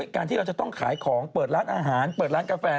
การที่เราจะต้องขายของเปิดร้านอาหารเปิดร้านกาแฟ